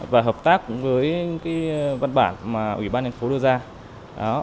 và hợp tác với văn bản mà ủy ban thành phố đưa ra